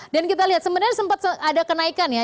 dan kita lihat sebenarnya sempat ada kenaikan ya